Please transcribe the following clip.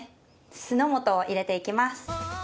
酢の素を入れていきます。